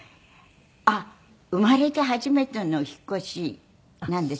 あっ生まれて初めての引っ越しなんです。